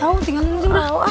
tau tinggal minum